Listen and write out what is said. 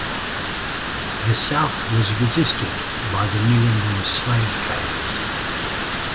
The South was resisted by the New England slave-traders.